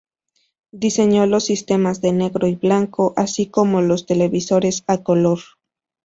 Diseñó los sistemas de negro y blanco, así como los televisores a color.